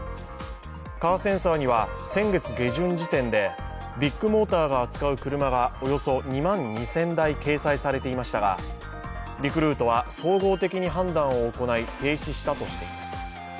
カーセンサーには、先月下旬時点でビッグモーターが扱う車がおよそ２万２０００台掲載されていましたがリクルートは総合的に判断を行い、停止したとしています。